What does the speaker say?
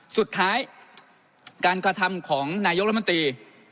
สุดท้ายการกระทำของนายกรัฐมนตรี